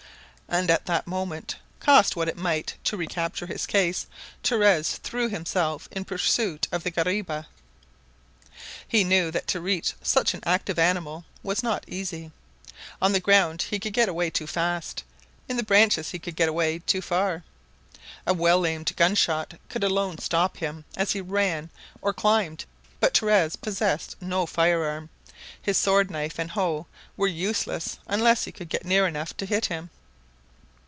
And at the moment, cost what it might to recapture his case, Torres threw himself in pursuit of the guariba. He knew that to reach such an active animal was not easy. On the ground he could get away too fast, in the branches he could get away too far. A well aimed gunshot could alone stop him as he ran or climbed, but Torres possessed no firearm. His sword knife and hoe were useless unless he could get near enough to hit him.